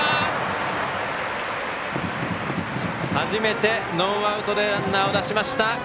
初めてノーアウトでランナーを出しました。